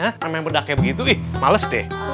namanya pendaknya begitu ih males deh